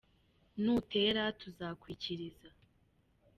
Nutera tuzakwikiriza